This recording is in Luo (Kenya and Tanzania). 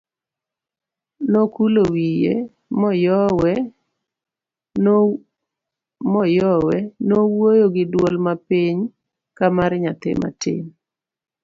Nokulo wiye, Moyowe nowuoyo gi duol mapiny kamar nyathi matin.